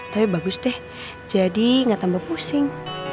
tapi bagus deh jadi gak tambah pusing